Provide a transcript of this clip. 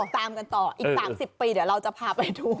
ตามกันต่ออีก๓๐ปีเดี๋ยวเราจะพาไปดู